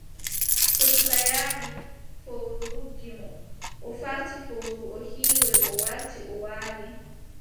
To suka yaali. Fowru ruggi mo. O farti fowru, o hiiroy, o warti, o waali.